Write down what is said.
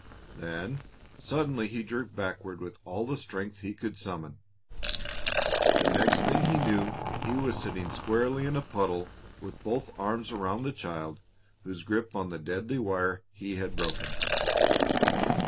Then, suddenly, he jerked backward with all the strength he could summon. The next thing he knew he was sitting squarely in a puddle with both arms around the child, whose grip on the deadly wire he had broken.